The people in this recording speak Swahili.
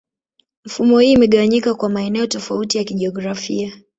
Mifumo hii imegawanyika kwa maeneo tofauti ya kijiografia.